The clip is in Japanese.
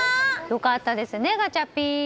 良かったですね、ガチャピン。